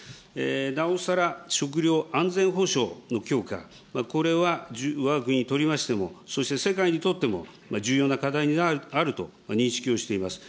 なおさら食料安全保障の強化、これはわが国にとりましても、そして世界にとっても重要な課題にあると認識をしています。